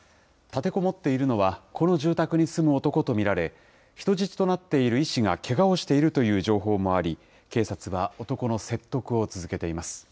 立てこもっているのは、この住宅に住む男と見られ、人質となっている医師がけがをしているという情報もあり、警察は男の説得を続けています。